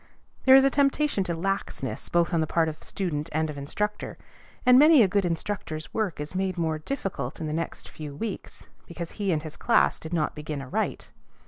There is a temptation to laxness both on the part of student and of instructor; and many a good instructor's work is made more difficult in the next few weeks because he and his class did not begin aright.